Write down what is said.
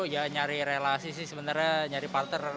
ya nyari relasi sih sebenarnya nyari parter